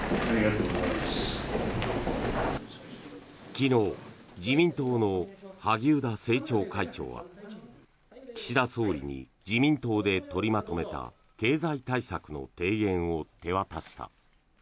昨日自民党の萩生田政調会長は岸田総理に自民党で取りまとめた経済対策の提言を手渡した。